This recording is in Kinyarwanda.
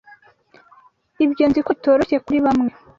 Ibyo nziko bitoroshye kuri bamwe